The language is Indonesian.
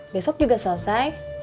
besok juga selesai